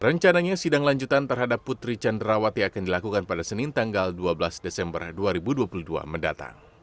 rencananya sidang lanjutan terhadap putri candrawati akan dilakukan pada senin tanggal dua belas desember dua ribu dua puluh dua mendatang